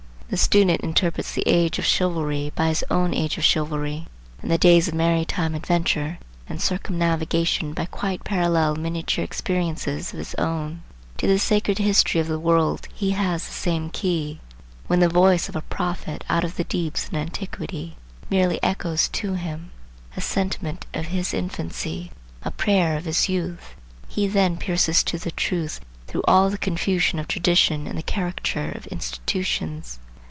The student interprets the age of chivalry by his own age of chivalry, and the days of maritime adventure and circumnavigation by quite parallel miniature experiences of his own. To the sacred history of the world he has the same key. When the voice of a prophet out of the deeps of antiquity merely echoes to him a sentiment of his infancy, a prayer of his youth, he then pierces to the truth through all the confusion of tradition and the caricature of institutions.